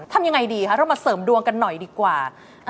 ทำยังไงดีคะเรามาเสริมดวงกันหน่อยดีกว่า